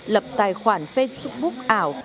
lập tài khoản facebook ảo